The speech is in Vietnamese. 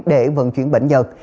để vận chuyển bệnh nhân